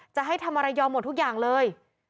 จะให้ทำอะไรยอมหมดทุกอย่างเลย